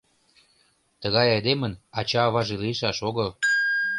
— Тыгай айдемын ача-аваже лийшаш огыл.